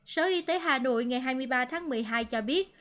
sở y tế hà nội ngày hai mươi ba tháng một mươi hai cho biết